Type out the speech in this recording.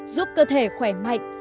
giúp cơ thể khỏe mạnh